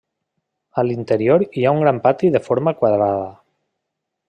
A l'interior hi ha un gran pati de forma quadrada.